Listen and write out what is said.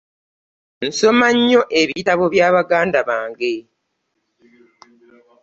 Nsoma nnyo ebitabo bya baganda bange.